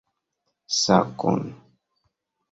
Sakon!